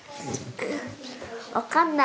分かんない。